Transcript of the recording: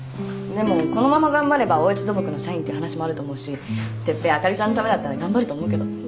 でもこのまま頑張れば大悦土木の社員って話もあると思うし哲平あかりちゃんのためだったら頑張ると思うけど。